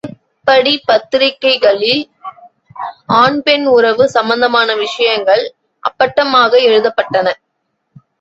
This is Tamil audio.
மேற்படி பத்திரிகைகளில் ஆண் பெண் உறவு சம்பந்தமான விஷயங்கள் அப்பட்டமாக எழுதப்பட்டன.